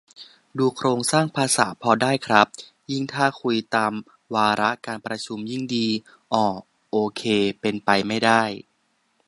ดูโครงสร้างภาษาพอได้ครับ ยิ่งถ้าคุยตามวาระการประชุมยิ่งดี อ่อ โอเค เป็นไปไม่ได้